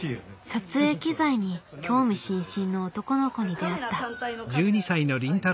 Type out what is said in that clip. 撮影機材に興味津々の男の子に出会った。